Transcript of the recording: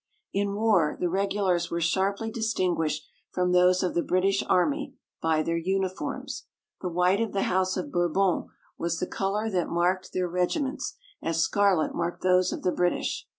In war the regulars were sharply distinguished from those of the British army by their uniforms. The white of the House of Bourbon was the colour that marked their regiments, as scarlet marked those of the British.